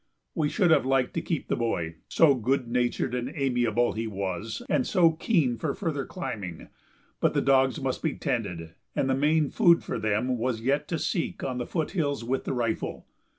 We should have liked to keep the boy, so good natured and amiable he was and so keen for further climbing; but the dogs must be tended, and the main food for them was yet to seek on the foot hills with the rifle.